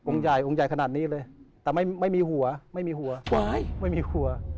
ใหญ่องค์ใหญ่ขนาดนี้เลยแต่ไม่มีหัวไม่มีหัวไม่มีครัว